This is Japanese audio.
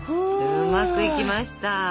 うまくいきました！